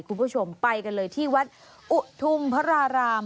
คุณผู้ชมไปกันเลยที่วัดอุทุมพระราราม